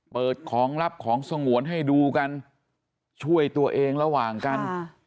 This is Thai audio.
เปิดของลับของสงวนให้ดูกันช่วยตัวเองระหว่างกัน